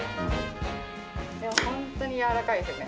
本当にやわらかいですね。